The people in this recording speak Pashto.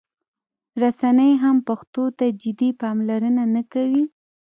رسنۍ هم پښتو ته جدي پاملرنه نه کوي.